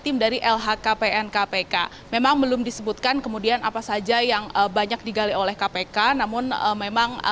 tim dari lhkpn kpk memang belum disebutkan kemudian apa saja yang banyak digali oleh kpk namun memang